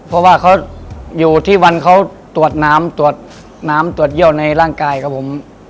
เพราะว่าเขาอยู่ที่วันเขาตรวจน้ำตรวจน้ำตรวจเยี่ยวในร่างกายครับผม